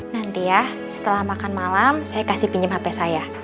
nanti ya setelah makan malam saya kasih pinjam hp saya